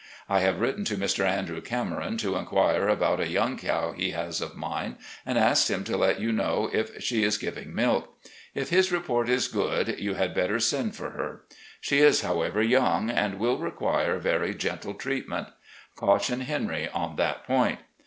I have written to Mr. Andrew Cameron to inquire about a young cow he has of mine, and asked him to let you know if she is giving milk. If his report is good, you had bettCT send for her. She is, however, young, and will reqtiire very gMitle treatment. Caution Henry on that point.